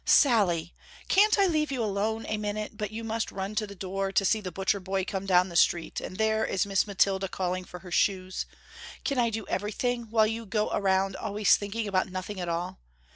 "Sallie! can't I leave you alone a minute but you must run to the door to see the butcher boy come down the street and there is Miss Mathilda calling for her shoes. Can I do everything while you go around always thinking about nothing at all?